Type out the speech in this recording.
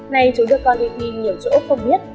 nay chúng tôi còn đi thi nhiều chỗ không biết